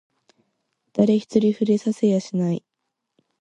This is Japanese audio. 誰一人触れさせやしない